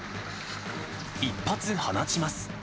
１発放ちます。